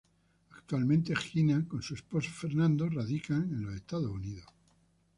Actualmente, Gina con su esposo Fernando radican en los Estados Unidos.